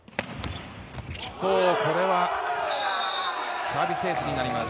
これはサービスエースになります。